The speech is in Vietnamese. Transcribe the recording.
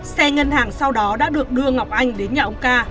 xe ngân hàng sau đó đã được đưa ngọc anh đến nhà ông ca